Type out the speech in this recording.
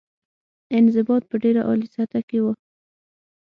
انضباط په ډېره عالي سطح کې وه.